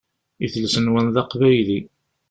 Idles-nwen d aqbayli.